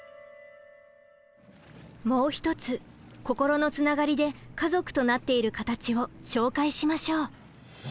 もう一つ心のつながりで家族となっているカタチを紹介しましょう。